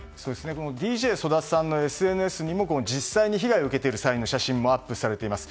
ＤＪＳＯＤＡさんのＳＮＳにも実際に被害を受けている際の写真もアップされています。